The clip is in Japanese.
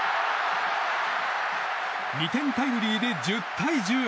２点タイムリーで１０対１０。